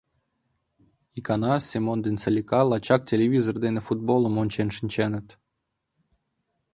Икана Семон ден Салика лачак телевизор дене футболым ончен шинченыт.